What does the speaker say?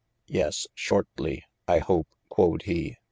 Yes shortly I hope quod he.